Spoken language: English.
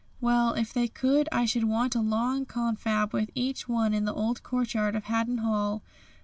Well, if they could I should want a long confab with each one in the old courtyard of Haddon Hall.